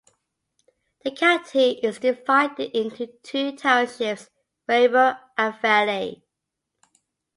The county is divided into two townships: Raber and Valley.